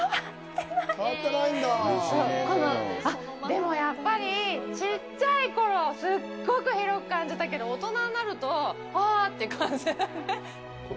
でも、やっぱり、ちっちゃいころすごく広く感じたけど大人になると、ああって感じ。